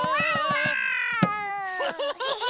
ウフフフ！